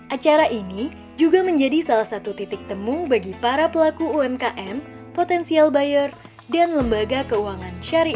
acara ini juga menjadi salah satu titik temu bagi para pelaku umkm potensial buyer dan lembaga keuangan syariah